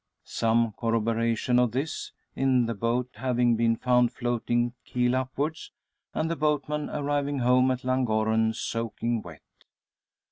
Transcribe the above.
Some corroboration of this, in the boat having been found floating keel upwards, and the boatman arriving home at Llangorren soaking wet.